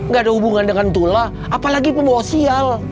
gak ada hubungan dengan tula apalagi pembawa sial